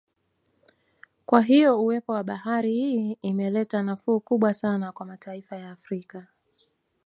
Kwa hiyo uwepo wa bahari hii imeleta nafuu kubwa sana kwa mataifa ya Afrika